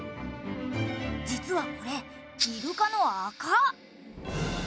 実はこれイルカの垢。